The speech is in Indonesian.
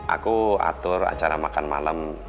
aku atur acara makan malam